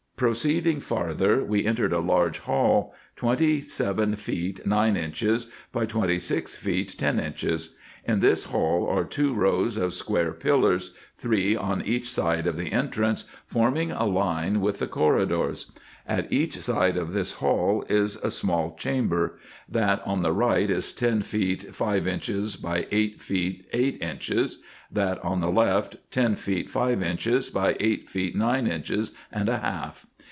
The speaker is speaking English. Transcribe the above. Proceeding farther, we entered a large hall, twenty seven feet nine inches by twenty six feet ten inches. In this hall are two rows of square pillars, three on each side of the entrance, forming a line with the corridors. At each IN EGYPT, NUBIA, &c. 235 side of this hall is a small chamber : that on the right is ten feet five inches by eight feet eight inches ; that on the left, ten feet five inches by eight feet nine inches and a half.